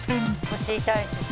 「腰痛いしさ」